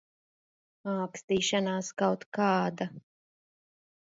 Ākstīšanās kaut kāda.